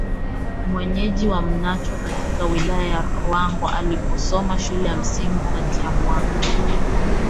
mwenyeji wa Mnacho katika Wilaya ya Ruangwa aliposoma shule ya msingi kati ya mwaka